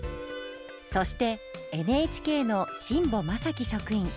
そして、ＮＨＫの新保真生職員。